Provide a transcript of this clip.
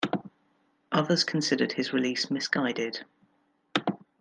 Others considered his release misguided.